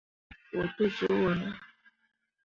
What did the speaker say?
Mo fuu te zuu wo ne ?